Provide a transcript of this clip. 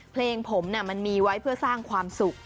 เพลงผมมันมีไว้เพื่อสร้างความสุข